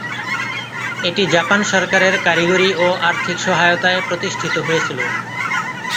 এটি জাপান সরকারের কারিগরি ও আর্থিক সহায়তায় প্রতিষ্ঠিত হয়েছিল।